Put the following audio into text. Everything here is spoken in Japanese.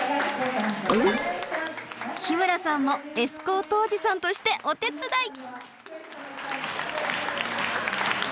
日村さんもエスコートおじさんとしてお手伝い！